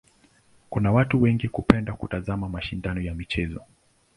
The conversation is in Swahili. Watu wengi hupenda kutazama mashindano ya michezo.